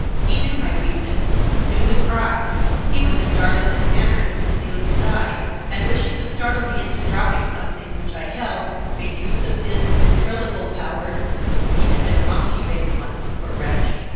He knew my weakness; knew the cry; he was in Darlington Manor when Cecilia died; and, wishing to startle me into dropping something which I held, made use of his ventriloquial powers (he had been a mountebank once, poor wretch!)